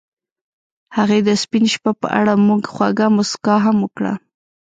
هغې د سپین شپه په اړه خوږه موسکا هم وکړه.